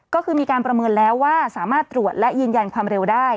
ก็คือมีการประเมินแล้วว่าสามารถตรวจและยืนยันความเร็วได้